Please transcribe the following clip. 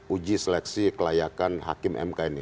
uji seleksi kelayakan hakim mk ini